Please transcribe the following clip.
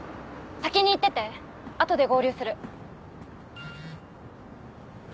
先に行ってて後で合流する。